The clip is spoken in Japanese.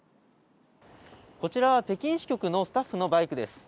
こちらは北京支局のスタッフのバイクです。